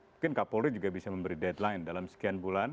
mungkin kapolri juga bisa memberi deadline dalam sekian bulan